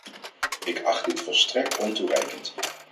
Ik acht dit volstrekt ontoereikend.